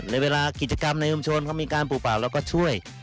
ในเวลากิจกรรมในอุมชนเขามีการปูป่าวแล้วก็ช่วย